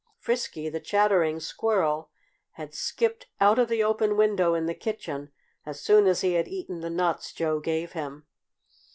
Frisky, the Chattering Squirrel, had skipped out of the open window in the kitchen as soon as he had eaten the nuts Joe gave him.